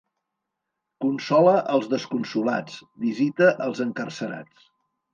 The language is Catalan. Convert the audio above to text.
Consola els desconsolats, visita els encarcerats.